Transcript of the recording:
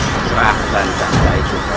serahkan tak baik supadara